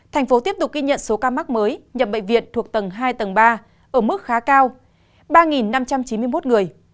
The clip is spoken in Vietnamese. thành phố tiếp tục ghi nhận số ca mắc mới nhập bệnh viện thuộc tầng hai tầng ba ở mức khá cao ba năm trăm chín mươi một người